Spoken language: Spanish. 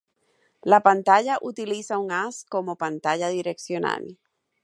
La pantalla utiliza un haz como pantalla direccional.